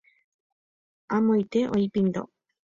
Amoite oĩ pindo.